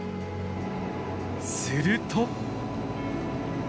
すると。